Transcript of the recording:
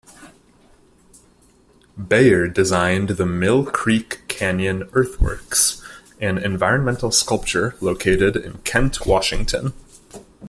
Bayer designed the Mill Creek Canyon Earthworks, an environmental sculpture located in Kent, Washington.